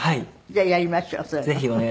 じゃあやりましょうそういうの。